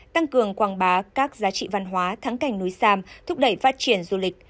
tăng cường quang bá các giá trị văn hóa thắng cành núi sam thúc đẩy phát triển du lịch